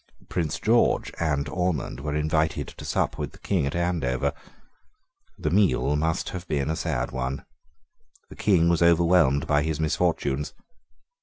Prince George and Ormond were invited to sup with the King at Andover. The meal must have been a sad one. The King was overwhelmed by his misfortunes.